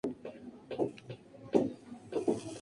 Se caracteriza por el aspecto colectivo de su actuación.